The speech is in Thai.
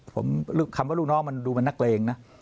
ผมคำว่าลูกน้องมันดูมันนักเลงนะ